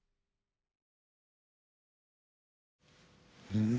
うん。